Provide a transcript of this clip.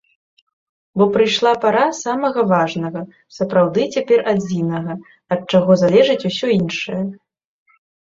Бо прыйшла пара самага важнага, сапраўды цяпер адзінага, ад чаго залежыць усё іншае.